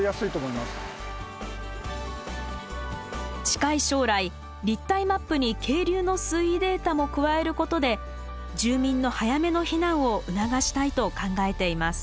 近い将来立体マップに渓流の水位データも加えることで住民の早めの避難を促したいと考えています。